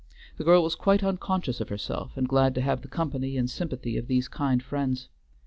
The girl was quite unconscious of herself, and glad to have the company and sympathy of these kind friends.